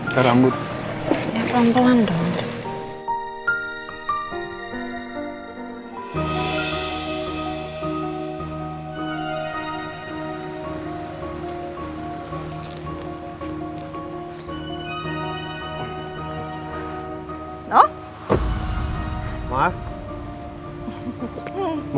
saya takut reyna adalah bagian dari prasetya